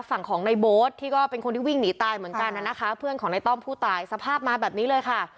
ฝั่งของในโบ๊ทที่ก็เป็นคนที่วิ่งหนีตายเหมือนกันน่ะนะคะเพื่อนของในต้อมผู้ตายสภาพมาแบบนี้เลยค่ะ